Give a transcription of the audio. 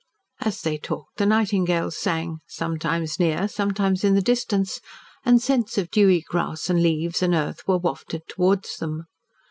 As they talked the nightingales sang, sometimes near, sometimes in the distance, and scents of dewy grass and leaves and earth were wafted towards them.